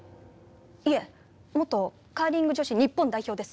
いえ元カーリング女子日本代表です。